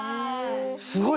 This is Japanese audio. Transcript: すごい！